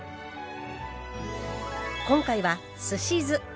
今回はすし酢。